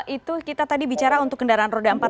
itu kita tadi bicara untuk kendaraan roda empat